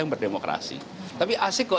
yang berdemokrasi tapi asik kok